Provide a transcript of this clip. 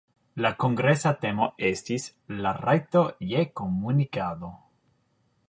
La kongresa temo estis "La rajto je komunikado".